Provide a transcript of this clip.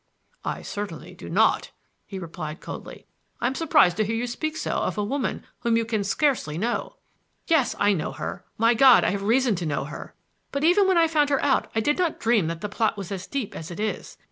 "I certainly do not," he replied coldly. "I'm surprised to hear you speak so of a woman whom you can scarcely know—" "Yes, I know her; my God, I have reason to know her! But even when I found her out I did not dream that the plot was as deep as it is.